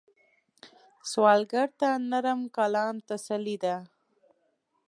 سوالګر ته نرم کلام تسلي ده